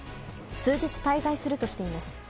数日滞在するとしています。